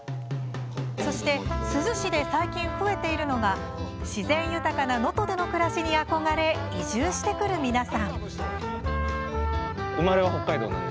そして珠洲市で最近増えているのが自然豊かな能登での暮らしに憧れ移住してくる皆さん。